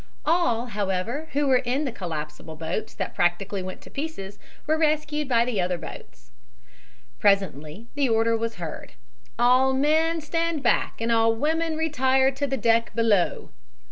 All, however, who were in the collapsible boats that practically went to pieces, were rescued by the other boats. Presently the order was heard: "All men stand back and all women retire to the deck below."